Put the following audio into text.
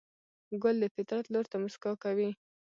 ګل د فطرت لور ته موسکا کوي.